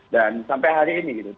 dan sampai hari ini